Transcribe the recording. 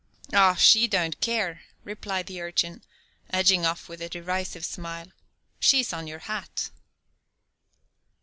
"Oh, she don't care," replied the urchin, edging off with a derisive smile, "she's on your hat."